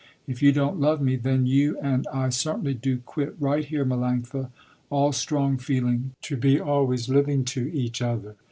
If you don't love me, then you and I certainly do quit right here Melanctha, all strong feeling, to be always living to each other.